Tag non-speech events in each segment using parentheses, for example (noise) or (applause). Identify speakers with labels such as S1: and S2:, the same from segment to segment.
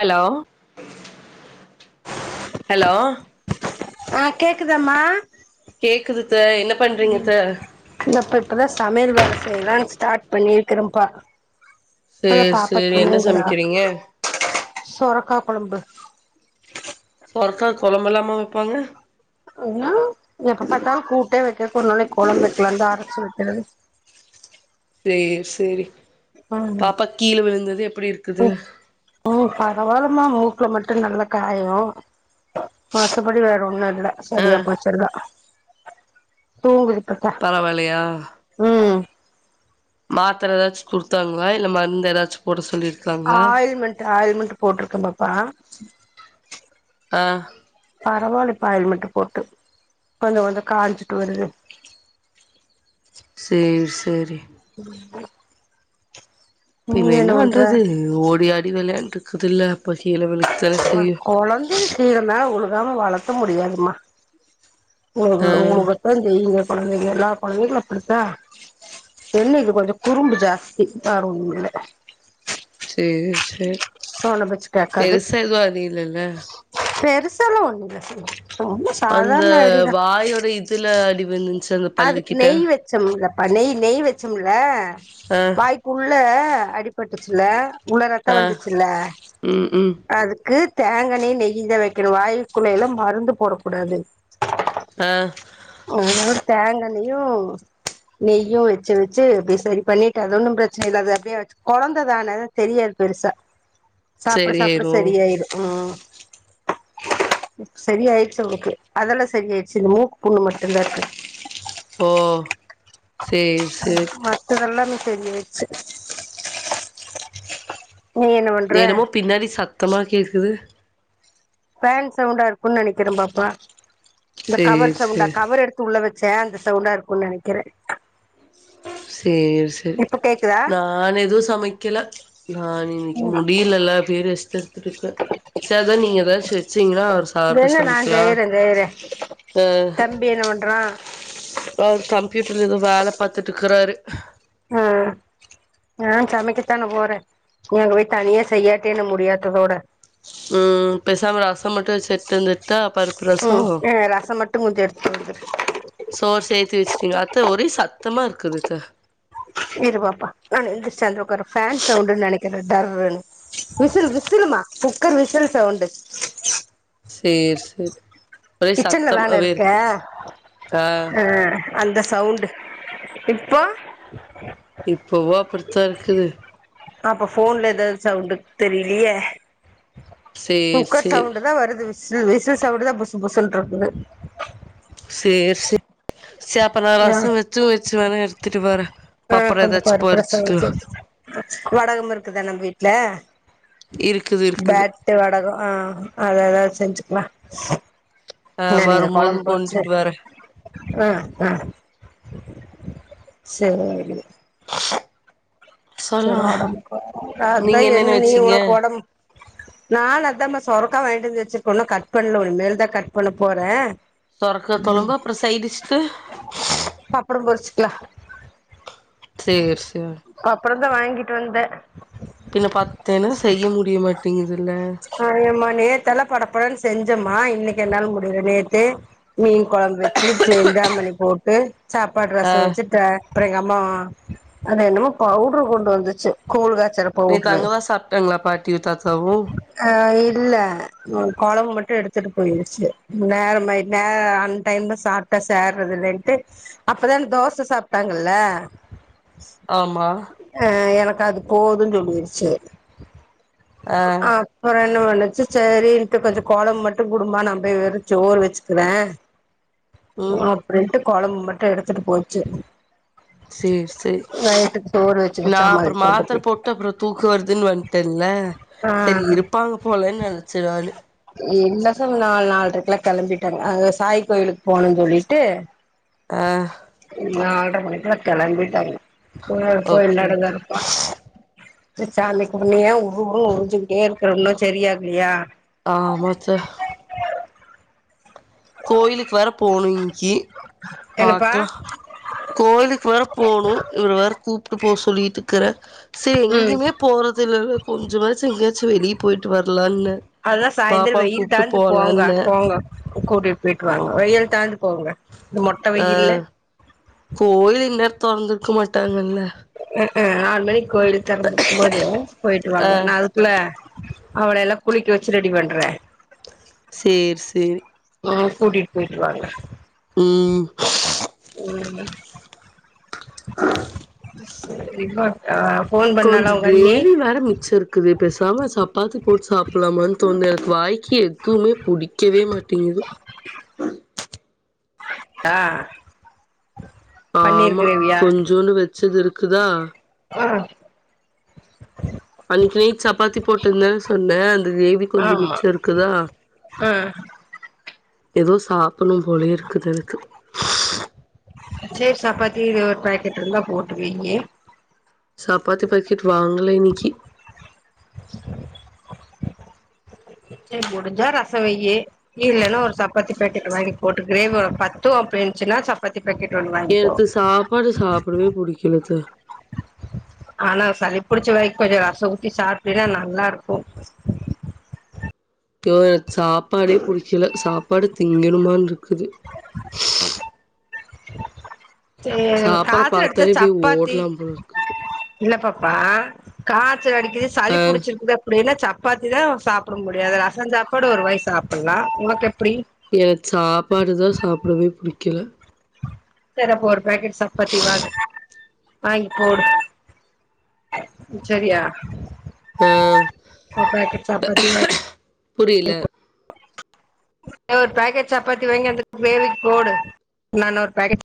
S1: Hello hello
S2: ஆ கேக்குதாமா
S1: கேக்குது த்த என்ன பண்றீங்க
S2: ம்
S1: த்த
S2: தோ இப் இப்பதா சாப் மேல் வேல செய்யலா ஸ்டார்ட் பண்ணிருக்கிறேப்பா
S1: சேரி சேரி என்ன சமைக்கிறீங்க
S2: சொரக்கா கொழம்பு
S1: சொர்க்கா கொழம்பு எல்லாமா வெப்பாங்க
S2: ஆனா எப்ப பாத்தாலு கூட்டே வைக்க ஒரு நாளைக்கு கொழம்பு வெக்கலா தா ஆரம்பிச்சா என்னது
S1: சேர் சேரி பாப்பா கீழ விழுந்தது எப்படி இருக்குது
S2: மா மூக்குல மட்டு நல்ல காயோ மத்தபடி வேற ஒண்ணு
S1: ஆ
S2: சரியா போச்சு எல்லா தூங்குது
S1: பரவாயில்லையா
S2: (unintelligible) ம்
S1: மாத்திர ஏதாச்சு குடுத்தாங்களா இல்ல மருந்து ஏதாச்சு போட சொல்லிருக்காங்களா
S2: ஆயில்மெண்ட் ஆயில்மெண்ட் போட்டிருக்கே பாப்பாக் ப
S1: அ
S2: பரவால பாயல் மட்டு போட்டு கொஞ்சோ கொஞ்சோ காஞ்சிட்டு வருது
S1: சேரி சேரி
S2: (inaudible)
S1: பின்ன என்ன பண்றது ஓடியாடி விளையான்ட்டு சுதல அப்போ
S2: ஆ கொழந்த கீழ மேல உழு அதாம வளத்த முடியாதுமா (unintelligible)
S1: ஆ
S2: கொழந்தைங்க எல்லா கொழந்தைகளு அப்டித்தா என்ன இது கொஞ்சோ குறும்பு ஜாஸ்தி ஆ வேற ஒன்னு இல்ல
S1: சேர் சேர்
S2: கேக்காது
S1: பெருசா எது அடி இல்லல
S2: சல ஒண்ணு இல்ல (unintelligible)
S1: அந்த
S2: சாதாரண அடிதா
S1: வாயோட இதுல அடி வந்துன்ச்
S2: அதுக்கு நெய் வச்சம்லப்பா நெய் நெய் வச்சம்ல
S1: ஆ
S2: வாய்க்குள்ள அடிபட்டுச்சில இவ்ளோ ரத்த
S1: ஆ
S2: வந்துச்சுல
S1: ம் ம்
S2: அதுக்கு தேங்காண்ணெயு நெய்யு தா வெக்கிணு வாயில் குல்ல எல்லா மருந்து போடக்க கூடாது
S1: அ
S2: அதனால தேங்கா எண்ணெயு நெய்யு வச்சி வச்சி அப்படே சரி பண்ணிட்டு அது ஒன்னு பிரச்சன இல்ல அது அப்படியேச்சி கொழந்ததான தெரியாது பெருசா சாப்பிட
S1: செரி
S2: சாப்பிட
S1: ஆயிரு
S2: சரியாயிரு ம் சரி ஆயிருச்சு உங்ளுக்கு அதெல்லா சரி ஆயிருச்சு இந்த மூ புண்ணு மட்டுந்தா இருக்கு
S1: ஒ
S2: அ மத்ததெல்லாம் நீ என்ன பண்ற
S1: தெனமு பின்னாடி சத்தமா கேக்குது
S2: பேன் சவுண்டா இருக்குன்னு நினைக்கிறேன் பாப்பா இந்த கவர்
S1: சேரி
S2: சவுண்டா
S1: சேரி
S2: கவர் எடுத்து உள்ள வெ சேந்த சவுண்டா இருக்குனு நெனைக்கிற
S1: சேரி சேரி நானு எதுவு சமைக்கல நான் இன்னைக்கு முடியலல்ல பீரியட்ஸ் இருக்கு சேத நீங்க எதாச்சு வெச்சீங்கன்னா அவர்
S2: இது
S1: சாப்ட
S2: என்ன நா
S1: சொல்லிக்கலா
S2: செய்றே செய்றே
S1: அ
S2: தம்பி என்ன பண்றா
S1: வீட்டுல எதோ வேலை பார்த்துட்டு இருக்கறாரு
S2: ஆஹ் நான் சமைக்கத்தானே போறேன் நீ அங்க போய் தனியா செய்யாட்டியென்ன முடியாத்தோட
S1: ம் பேசாம ரசம் மட்டும்வச்சு எடுத்துவந்துட்டு
S2: ம்
S1: பருப்புரசம்
S2: ஆ ரசம் மட்டு கொஞ்சோ எடுத்துட்டு வந்துரு
S1: சோர் சேர்த்து வச்சுட்டீங்க அத்தா ஒரே சத்தமா இருக்குதுக்கா
S2: இருபாப்பா நான் எந்துருச்சு வந்து உக்காரேன் ஃபேன் சவுண்டுன்னு நெனைக்கிறேன் டர்ர்ருன்னு விசிலு விசிலுமா குக்கர் விசில் சவுண்டு
S1: சேர் சேரி ஒரே
S2: கிச்சன்ல வேல
S1: சத்தமாவே
S2: இருக்கே
S1: இருக்கு ஆ
S2: ஆஹ் அந்த சவுண்டு இப்போ
S1: இப்பவு அப்டி தான் இருக்குது
S2: அ அப்ப போன்ல ஏதாவது சவுண்ட் தெரிலயே
S1: சேர்
S2: குக்கர்
S1: சேரி
S2: சவுண்ட் தான் வருது வி விசில் விசிலு சவுண்டுதான் புசு புசுருக்குது
S1: சேர் சே
S2: ஆஹ்
S1: வேணா எடுத்துட்டு வரே
S2: ஆஹ்
S1: அப்பறோ
S2: கொஞ்சம்
S1: எதாச்சு
S2: பருப்பு ரசம் வச்சு
S1: பறிச்சுக்கலா
S2: வ ஆஹ் வடகம் இருக்குதா நம்ம வீட்ல
S1: இருக்குது இருக்குது
S2: பேட்டு வடகம் ஆஹ் அததெதாவது செஞ்சுட்டு வா
S1: ஆ
S2: நான் இங்க
S1: வரும்போது
S2: குழம்பு வச்சு
S1: கொண்டுட்டு வரே
S2: ஆஹ் ஆஹ் சேரி சேரி
S1: சொல்லுங்க
S2: உடம்புக்கு வேர
S1: நீங்க
S2: அதான்
S1: என்னென்ன
S2: என்ன நீ
S1: வச்சீங்க
S2: உனக்கு உடம்பு நானும் அத்தான்மா சொரக்கா வாங்கிட்டு வந்து வச்சிருக்கோ இன்னு கட் பண்ணல இன்னு மேல தான் கட் பண்ண போறேன்
S1: சொரக்கா கொழம்பு அப்புறம் சைடிஷ்க்கு
S2: ய
S1: ச்சேர் சேர்
S2: (unintelligible) பறந்தான் வாங்கிட்டு வந்தேன்
S1: பின்ன பத்தேன்னா செய்ய முடிய மாட்டேங்குதுல
S2: மா இன்னக்கு என்னாள முடியற நேத்தே மீன் குழம்பு வச்சு சிந்தாமணி போட்டு சாப்பாடு
S1: ஆ
S2: ரசம் வச்சு த அப்பற எங்க அம்மா அது என்னமோ பவுடுரு கொண்டு வந்துச்சு கூல் (unintelligible)
S1: நேத்து அங்கதான் சாப்ட்டாங்களா பாட்டியும் தாத்தாவும்
S2: ஆ இல்ல நா குழம்பு மட்டும் எடுத்துட்டு போய்ருசு நேரமாய் நேர அன் டைம்ல சாப்ட்டா சேறதில்லேன்ட்டு அப்பதான் தோச சாப்ட்டாங்கல்ல
S1: ஆமா
S2: ஆஹ எனக்கு அது போதும்னு சொல்லிருச்சு
S1: ஆ
S2: ஹ அப்புறம் என்ன பண்ணுச்சு சேரின்ட்டு கொஞ்சம் கொழம்பு மட்டும் குடும்பா நான் போய் வெரும் சோரு வச்சுக்கறேன்
S1: ம்
S2: அப்டின்டு கொழம்பு மட்டு எடுத்துட் போச்சி.
S1: செரி செரி
S2: வச்சு
S1: (unintelligible) நா
S2: வச்சாமா
S1: அப்றம்
S2: கொண்டு
S1: மாத்தரை
S2: போய்
S1: போட் அப்றம் தூக்கம் வருதுன்னு வன்ட்டேன்ல.
S2: ஆ
S1: செரி இருப்பாங்க போலன்னு நெனச்சே நானு.
S2: இல்ல சாமி. நாலு நாலரைக்கு எல்லாம் கெளம்பிட்டாங்க. அந்த சாய் கோயிலுக்கு போணுன்னு சொல்லிட்டு
S1: ஆ
S2: நால் (unintelligible) மணிக்கெலா கெளம்பிட்டாங்க. (unintelligible) கோமில்
S1: ஓகே
S2: நட
S1: ஓகே
S2: திறப்பான். (unintelligible) ஊஊ வுன்னு உரிஞ்சுட்டே இருக்குற இன்னு சரியாகலையா
S1: ஆஹ் மத்த கி
S2: என்னப்பா
S1: பாக்கலா கோயிலுக்கு வேற போணு இவரு வேற கூப்பிட்டு போ சொல்லிட்டு இருக்கற செரி
S2: ம்
S1: எங்கேயுமே போறது இல்லல்ல கொஞ்சமாச்சி எங்ககாச் சோ வெளிய போயிட்டு வரலாம்னு நெனச்ச
S2: அதல்லா சாயந்தர வெயில் தாழ்ந்து போங்க போங்க கூட்டிட்டு போயிட்டு வாங்க வெயில் தா
S1: அஹ் கோயில் இன்னேர தொறந்திருக்குமா ட்டாங்கல்ல
S2: ஆஹ் ஆறு மணிக் கோயிலு திறந்திருக்கு போது போயிட்டு
S1: ஆ
S2: வாங்க நா அதுக்குள்ள அவள எல்லா குளிக்க வச்சு ரெடி பண்றன்
S1: சரி சரி
S2: உ கூட்டிகிட்டு போயிட்டு வாங்க
S1: உம்
S2: (unintelligible) (unintelligible)
S1: கொஞ்சம்
S2: உங்க அண்ணி
S1: கிரேவி வேற மிச்சம் இருக்குது. பேசாம சப்பாத்தி போட் சாப்ட்லாமான்ட் தொண்ட எனக்கு வாய்க்கு எதுவ்வுமே புடிக்கவே மாட்டேங்குது.
S2: ஆஹ
S1: ஆமா, கொஞ்சுண்டு வச்சது இருக்கு. குத
S2: ஆஹ்
S1: அன்னைக்கு நேட் சப்பாத்தி போட்டிருந்தானே சொன்னே அந்த கிரேவி கொஞ்ச
S2: ஆமா
S1: மிச்சருக்குதா
S2: ஆஹ்
S1: ஏதோ சாப்பணு போலே இருக்குது அ எனக்கு
S2: சேப் சாப்பாத்தி இது ஒரு பேக்கெட் இருந்தா போட்டு வீங்க
S1: சப்பாத்தி பாக்கெட் வாங்கல இன்னிக்கி.
S2: செரி முடிஞ்சா ரசம் வைய் இல்லன்னா ஒரு சப்பாத்தி பேக்கெட் வாங்கி போட்டு கிரேவி ஒனக்கு பத்தும் அப்டிருந்திச்சின்னா சப்பாத்தி பேக்கெட் ஒண்ணு வாங்கிக்கோ
S1: எனக்கு சாப்பாடு சாப்டவே பிடிக்கலக்கா
S2: ஆனா சளி புடிச்ச வரைக் கொஞ்சொ ரச ஊத்தி சாப்டினா நல்லா இருக்கு
S1: து சாப்பாடே புடிக்கல சாப்பாடு திங்கணுமானு ருக்குது
S2: (inaudible) சே
S1: சாப்பாட
S2: காச்சல எடுத்த
S1: பாத்தாலே அப்டியே
S2: சப்பாத்தி
S1: ஓடலாம் போல இருக்குது
S2: இல்லாப்பம் ஆ கார் அடிக்குது
S1: ஆ
S2: சளி புடிச்சிருக்குது அப்டின்ன சப்பாத்தி தா சாப்பிட முடியாது ரெச சாப்பாடு ஒரு வாய் சாப்பிட்லா உனக்கு எப்டி
S1: எனக்கு சாப்பாடுதா சாப்டவே புடிக்கல
S2: சரி அப்போ ஒரு பேக்கெட் சப்பாத்தி வாங்கு வாங்கி போடு சரியா (inaudible)
S1: ஆ
S2: (inaudible) சப்பாத்தி சப்பாத் (unintelligible)
S1: புரியல
S2: ஒரு பேக்கெட் சப்பாத்தி வாங்கி வந்தக்கு (unintelligible) போடு நான ஒரு பேக்கெட்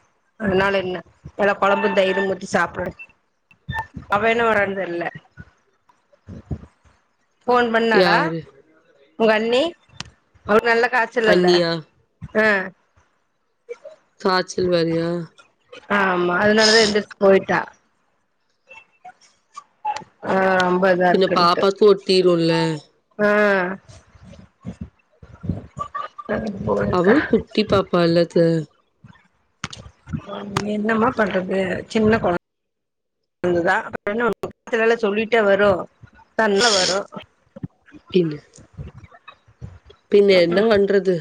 S2: (inaudible) அதுனல என்ன எல்லாம் கொழம்பும் தயிரும் ஊத்தி சாப்பிடு அவ இன்னும் வரானு தெரில போன் பண்ணாளா
S1: யாரு
S2: உங்கண்ணி அவுங்க நல்லா காச்சல் அல்ல
S1: அண்ணியா
S2: ஆஹ்
S1: காய்ச்சல் வேறயா
S2: ஆமா அதனாலதா எந்துருச்சு போயிட்டா ஆஹ் ம்
S1: பின்ன பாப்பாக்கூ ஒட்டிருல்ல
S2: ஆ அது போயிருக்கா
S1: அவளு குட்டி பாப்பால்லத்த
S2: என்னமா பண்றது சின்ன கொழந்த (unintelligible) அப்புறோ என்ன பண்ண முடியு (unintelligible) சொல்லிட்டா வரு ன்னா வரோ
S1: பின்ன பின்ன என்ன பண்றது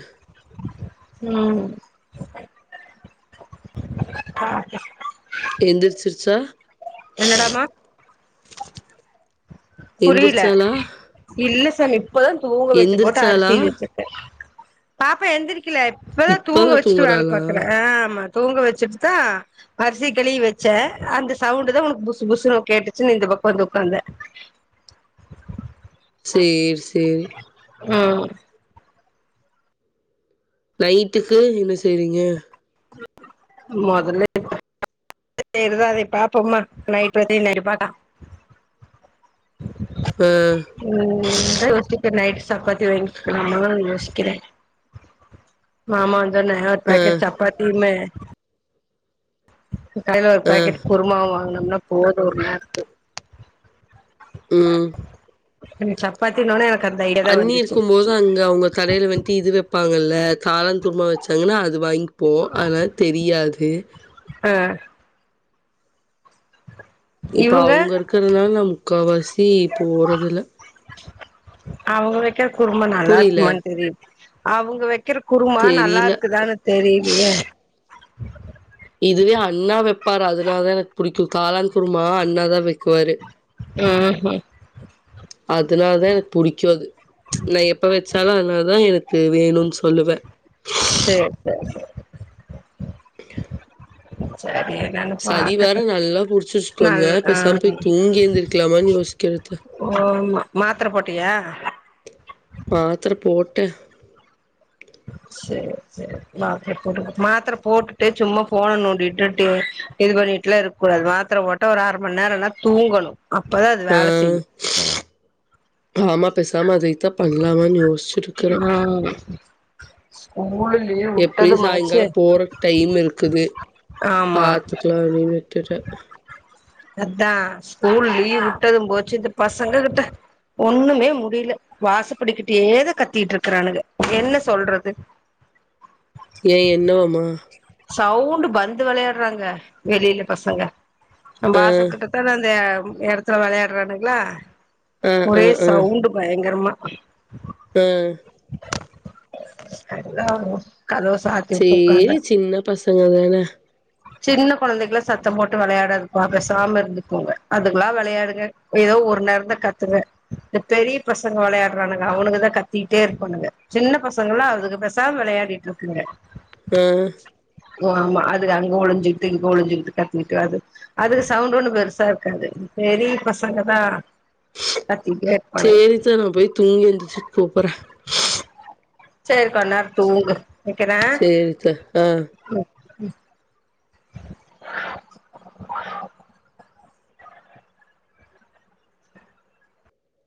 S2: உம் (unintelligible)
S1: எந்திரிச்சிருச்சா
S2: என்னடாம புரியல
S1: எந்திரிச்சாளா
S2: இல்ல சலிப் இப்பதா தூங்க வச்சு போட்டு
S1: எந்திரிச்சாளா
S2: அரிசி வச்சிருக்கே பாப்பா எந்திரிக் எந்திரிக்கில இப்பதா தூங்க வெச்சுட்டு வேல பாக்கறே ஆ ஆமா தூங்க வெச்சுட்டு தா அரிசி களிவி வெச்சே அந்த சவுண்டு தா உனக்கு புஸ் புஸ்னு கேட்டுச்சுன்னு இந்த பக்கோ வந்து உட்காந்தே
S1: சேரி சேரி
S2: உம்
S1: நைட்டுக்கு என்ன செய்றீங்க
S2: மோதல்ல (unintelligible) பாப்போம்மா நைட் கதய நைட் பாக்லா
S1: ஆ
S2: உம் அந்தா யோஸ்சிட் நைட்டு் சப்பாத்தி வாங்கிக்லாமா யோசிக் கிறே மாமா அந்தான ஒரு
S1: ஆ
S2: பேக்கெட் சப்பாத்தி மே கடையில ஒரு
S1: ஆ
S2: பேக்கெட் குருமாவ வாங்னா நல்லா போது ஒரு நேரத்துக்கு
S1: உம்
S2: நீ சப்பாத்தின்னவுடனே எனக்
S1: அண்ணி இருக்கும் போது அங்க அவுங்க கடையில வன்ட்டு இது வெப்பாங்கல்ல த காளான் குருமா வச்சாங்கன்னா அது வாங்கிப்போ அதனால அது தெரியாது
S2: ஆஹ
S1: இப்ப
S2: இவுங்க
S1: அவங்க இருக்கிறதுனால நான் முக்கால்வாசி போறதுல
S2: அவுங்க க்க குருமா நல்லா இருக்குமான்னு தெரில அவங்க வக் வை. க்கிற குருமா நல்லா
S1: தெரியல
S2: இருக்குதான்னு தெரியலையே ம்
S1: இதுவே அண்ணா வைப்பாரு அதனாலாதான் எனக்கு பிடிக்கும் காளான் குருமா அண்ணாதான் வைக்குவாரு
S2: உஹம் உஹம்
S1: அதனால தான் எனக்கு புடிக்கும் அது நான் எப்ப வச்சாலும் அதனாலதான் எனக்கு வேணும்ன்னு சொல்லுவேன்
S2: சரி சரி சரி சரி
S1: சளி வேற நல்லா புடிச்சிருச்சு கொஞ்ச
S2: நல்
S1: நேர பேசாம
S2: ஆ
S1: போய் தூங்கி எந்திரிக்கலாமான்னு யோசிக்கிறது
S2: ஓ மா மாத்திர போட்டியா
S1: மாத்தர போட்டே
S2: சரி சரி மாத்தர போட்டுட்டு மாத்திர போட்டுட்டே சும்மா போண நோண்டிட்டு இது பண்ணிட்டுலாம் இருக்க கூடாது மாத்திர போட்டா ஒரு அரை மணி நேரம் நல்லா தூங்கணும்
S1: ஆஹ் ஆமா பேசாமது எத பண்லாமானு யோசிச்சு தா
S2: உம் ஆ
S1: எப்படியும் சாயங்காலம் போறதுக்கு டைம் இருக்குது
S2: ஆமா
S1: பாத்துக்கலாம் அப்படினு விட்டுட்ட
S2: அதான் ஸ்கூல் லீவ் விட்டதும் போச்சு இந்த பசங்க கிட்ட ஒண்ணுமே முடியல வாசப்படிக்கிட்டேயேதா கத்திட்டு இருக்கறானுங்க என்ன சொல்றது
S1: ஏன் என்னவாமா
S2: சவுண்டு பந்து விளையாடுறாங்க வெளியில பசங்க
S1: ஆ
S2: வேற இடத்துல விளையாடுறானுங்களா
S1: ஆ
S2: ஒரே சவுண்ட் பயங்கரமா
S1: ஆஹ்
S2: ஆஹ (unintelligible) கதவ சாத்திவுட்டு
S1: சேரி
S2: உக்காந்த
S1: சின்ன பசங்க தானா
S2: சின்ன குழந்தைகலா சத்தம் போட்டு விளையாடதுப்பா பேசாம இருந்துக்குங்க அதுக்கெல்லா விளையாடுங்க ஏதோ ஒரு நேரம்தா கத்துங்க இந்த பெரிய பசங்க விளையாடுறானுங்க அவனுக்குதா கத்திட்டே இருப்பானுங்க சின்ன பசங்கல அதுக பேசாம விளையாடிட்டு இருக்குங்க
S1: ஹ்ம்
S2: ஓ ஆமா அது அங்க ஒளிஞ்சுக்கிட்டு இங்க ஒளிஞ்சுக்கிட்டு கத்திட்டு அது அதுக சவுண்ட் ஒண்ணு பெருசா இருக்காது பெரிய பசங்கதா கத்திட்டே இருப்பானுங்க
S1: சேரி த்த நா போய் தூங்கி எந்துருச்சு கூப்பறே
S2: சேரி கொன் நேரோ தூங்கு
S1: சேரி த்த ஆஹ்
S2: ம்